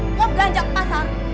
untuk ganjak pasar